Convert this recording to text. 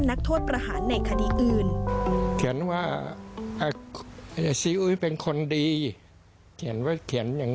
นักโทษประหารในคดีอื่น